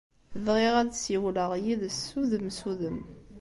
Bɣiɣ ad ssiwleɣ yid-s udem s udem.